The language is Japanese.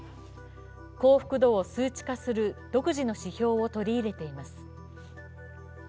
幸福度を数値化する独自の指標を取り入れています。